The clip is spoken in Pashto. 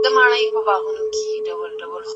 سياست د ټولنيزو ځواکونو د اړيکو څخه عبارت دی.